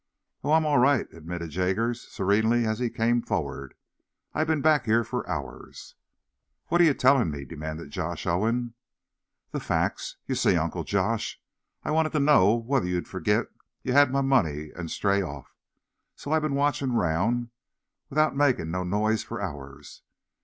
"Oh, I'm all right," admitted Jaggers, serenely, as he came forward. "I've been back here for hours." "What are ye telling me?" demanded Josh Owen. "The facts. Ye see, Uncle Josh, I wanted to know whether ye'd forgit ye had my money, an' stray off. So I've been watchin' round, 'thout making no noise, for hours."